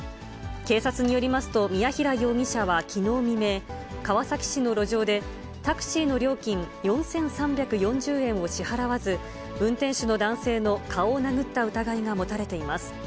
警察によりますと、ミヤヒラ容疑者はきのう未明、川崎市の路上で、タクシーの料金４３４０円を支払わず、運転手の男性の顔を殴った疑いが持たれています。